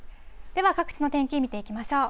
では各地の天気、見ていきましょう。